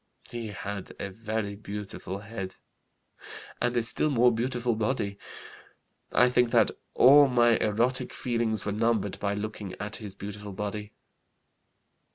He had a very beautiful head and a still more beautiful body. I think that all my erotic feelings were numbed by looking at his beautiful body.